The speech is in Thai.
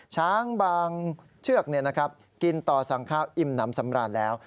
ช้างบางเชือกกินต่อสั่งข้าวอิ่มน้ำสำราญแล้ว